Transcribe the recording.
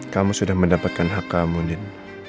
kamu sudah mendapatkan hak kamu din